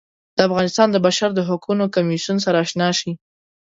د افغانستان د بشر د حقونو کمیسیون سره اشنا شي.